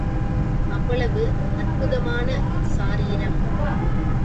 அவ்வளவு அற்புதமான சாரீரம்.